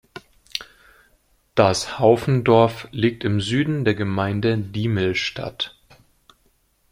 Das Haufendorf liegt im Süden der Gemeinde Diemelstadt.